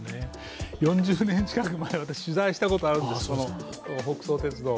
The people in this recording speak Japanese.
４０年近く前に私、取材したことがあるんです、北総鉄道を。